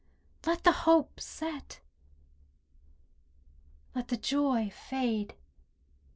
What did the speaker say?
Let the hope set! Let the joy fade.